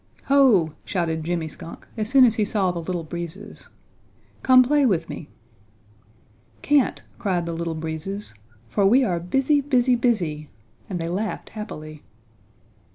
"Ho!" shouted Jimmy Skunk as soon as he saw the Little Breezes, "come play with me." "Can't," cried the Little Breezes, "for we are busy, busy, busy," and they laughed happily.